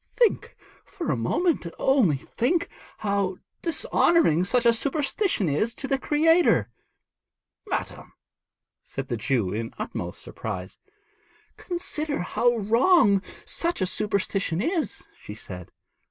'Think for a moment, only think, how dishonouring such a superstition is to the Creator.' 'Madam!' said the Jew in utmost surprise. 'Consider how wrong such a superstition is,' she said.